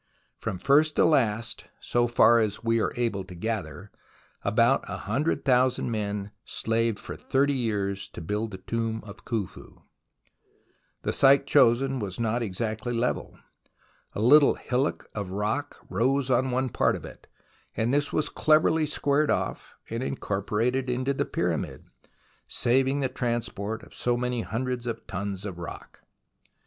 From first to last, so far as we are able to gather, about 100,000 men slaved for thirty years to build the tomb of Khufu. The site chosen was not exactly THE ROMANCE OF EXCAVATION 63 level. A little hillock of rock rose on one part of it, and this was cleverly squared off and incorporated into the Pyramid, saving the transport of so many hundreds of tons of rock.